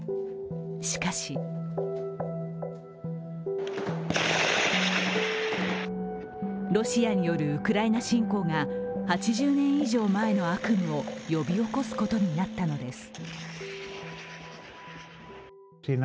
しかしロシアによるウクライナ侵攻が８０年以上前の悪夢を呼び起こすことになったのです。